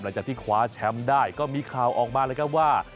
หลังจากที่คว้าแชมป์ได้ก็มีข่าวออกมาเลยครับว่า